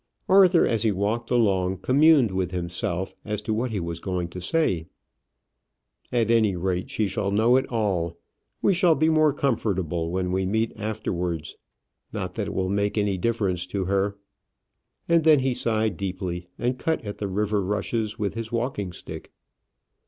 Arthur, as he walked along, communed with himself as to what he was going to say. "At any rate, she shall know it all; we shall be more comfortable when we meet afterwards. Not that it will make any difference to her;" and then he sighed deeply, and cut at the river rushes with his walking stick.